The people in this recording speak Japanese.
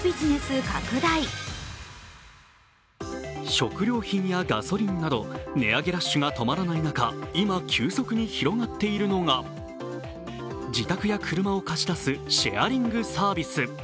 食料品やガソリンなど値上げラッシュが止まらない中、今、急速に広がっているのが、自宅や車を貸し出すシェアリングサービス。